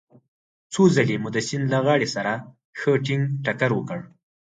څو ځلې مو د سیند له غاړې سره ښه ټينګ ټکر وکړ.